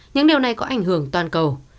những điều này có ảnh hưởng toàn cầu